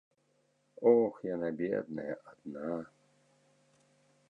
Ох, яна, бедная, адна.